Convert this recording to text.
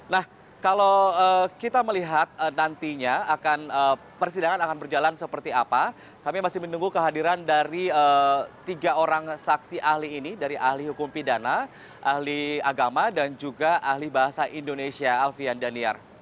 nah kalau kita melihat nantinya akan persidangan akan berjalan seperti apa kami masih menunggu kehadiran dari tiga orang saksi ahli ini dari ahli hukum pidana ahli agama dan juga ahli bahasa indonesia alfian daniar